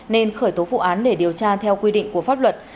nên khởi tố vụ án để điều tra theo quy định của pháp luật